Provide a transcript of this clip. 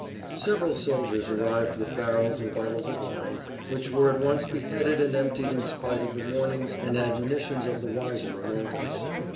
Several soldiers arrived with barrels and bottles of wine, which were at once beheaded and emptied in spite of the warnings and admonitions of the wiser amongst us.